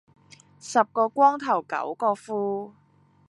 十個光頭九個富